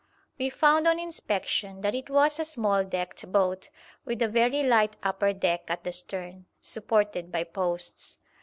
We found on inspection that it was a small decked boat, with a very light upper deck at the stern, supported by posts.